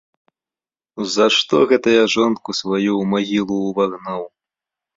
За што гэта я жонку сваю ў магілу ўвагнаў?